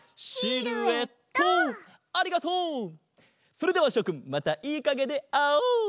それではしょくんまたいいかげであおう！